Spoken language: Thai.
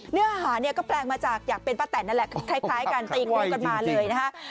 เนื้อหาเนี่ยก็แปลงมาจากอยากเป็นป้าแตนนั่นแหละคล้ายกันตีงูกันมาเลยนะฮะ